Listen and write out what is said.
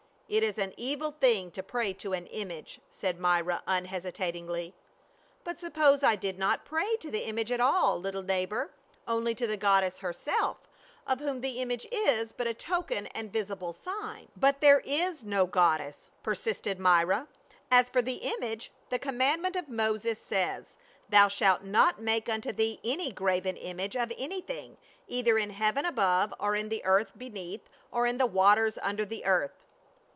" It is an evil thing to pray to an image," said Myra unhesitatingly. " But suppose I did not pray to the image at all, little neighbor, only to the goddess herself, of whom the image is but a token and visible sign." A FORBIDDEN VISIT. 85 " But there is no goddess," persisted Myra. "As for the image, the commandment of Moses says, ' Thou shalt not make unto thee any graven image of anything, either in heaven above or in the earth be neath, or in the waters under the earth.'